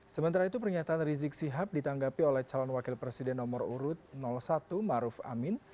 sementara itu pernyataan rizik sihab ditanggapi oleh calon wakil presiden nomor urut satu maruf amin